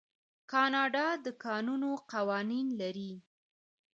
کاناډا د کانونو قوانین لري.